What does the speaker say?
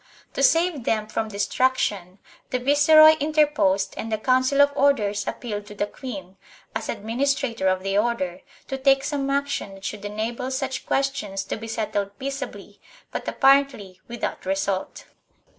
To save them from destruction the viceroy interposed and the Council of Orders appealed to the queen, as administrator of the Order, to take some action that should enable such questions to be settled peaceably, but appar ently without result.